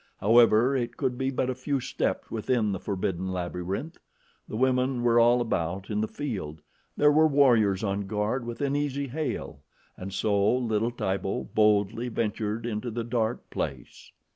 However, it could be but a few steps within the forbidden labyrinth. The women were all about in the field. There were warriors on guard within easy hail, and so little Tibo boldly ventured into the dark place.